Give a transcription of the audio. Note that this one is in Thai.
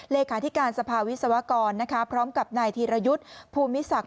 เลขาธิการสภาวิศวกรพร้อมกับนายธีรยุทธ์ภูมิศักดิ